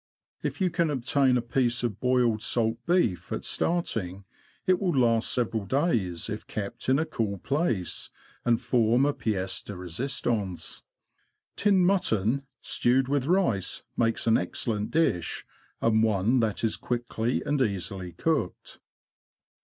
If you can obtain a piece of boiled salt beef at starting, it will last several days, if kept in a cool place, and form a piece de resistance. Tinned mutton, stewed with rice, makes an excellent dish, and one that is quickly and easily cooked.